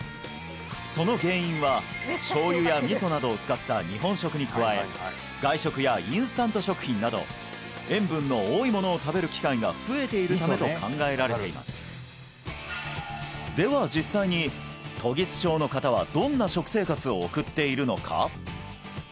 その原因は醤油や味噌などを使った日本食に加え外食やインスタント食品など塩分の多いものを食べる機会が増えているためと考えられていますでは実際に送っているのか？